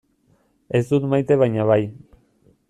Ez dut maite baina bai.